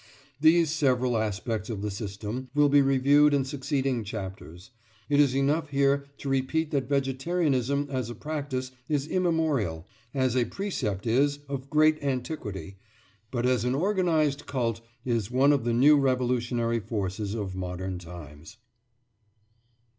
These several aspects of the system will be reviewed in succeeding chapters; it is enough here to repeat that vegetarianism as a practice is immemorial, as a precept is of great antiquity, but as an organised cult is one of the new revolutionary forces of modern times.